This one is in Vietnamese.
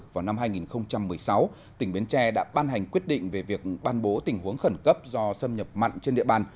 vào năm hai nghìn một mươi sáu tỉnh bến tre đã ban hành quyết định về việc ban bố tình huống khẩn cấp do xâm nhập mặn trên địa bàn